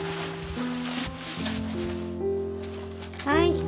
はい。